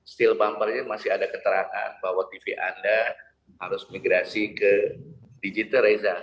still bumper ini masih ada keterangan bahwa tv anda harus migrasi ke digital reza